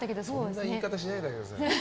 そんな言い方しないであげてください。